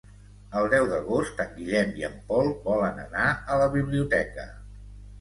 El deu d'agost en Guillem i en Pol volen anar a la biblioteca.